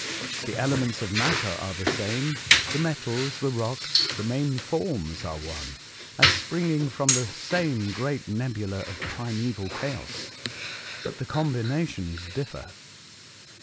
The elements of matter are the same — the metals, the rocks, the main forms are one, as springing from the same great nebula of primaeval chaos. But the combinations differ.